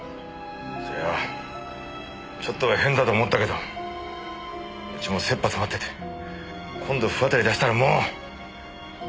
それはちょっとは変だと思ったけどうちも切羽詰まってて今度不渡り出したらもう！